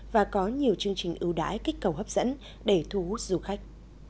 và có nhiều chương trình ưu đãi kích cầu hấp dẫn để thu hút du khách